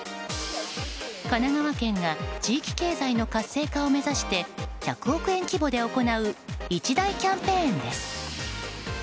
神奈川県が地域経済の活性化を目指して１００億円規模で行う一大キャンペーンです。